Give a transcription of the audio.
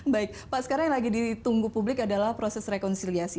baik pak sekarang yang lagi ditunggu publik adalah proses rekonsiliasi